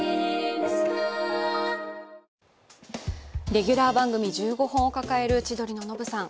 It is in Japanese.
レギュラー番組１５本を抱える千鳥のノブさん。